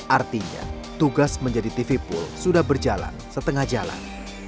artinya tugas menjadi tv pool sudah berjalan setengah jalan